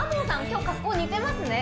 今日格好似てますね